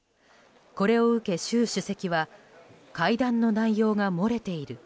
これを受け習主席は会談の内容が漏れている。